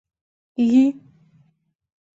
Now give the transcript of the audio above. — Йӱ.